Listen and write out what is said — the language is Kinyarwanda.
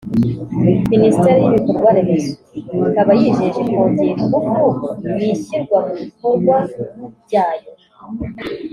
Minisiteri y’ibikorwa Remezo ikaba yijeje kongera ingufu mu ishyirwa mu bikorwa ryayo